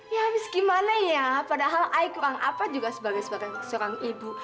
ya habis gimana ya padahal ayah kurang apa juga sebagai seorang ibu